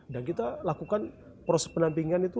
dan kita lakukan proses pendampingan itu